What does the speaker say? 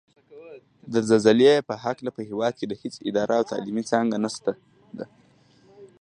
د زلزلې په هکله په هېواد کې هېڅ اداره او تعلیمي څانګه نشته ده